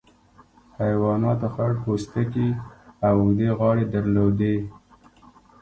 حیواناتو خړ پوستکي او اوږدې غاړې درلودې.